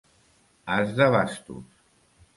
As de bastos.